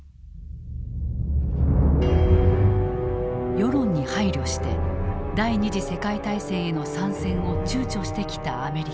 世論に配慮して第二次世界大戦への参戦をちゅうちょしてきたアメリカ。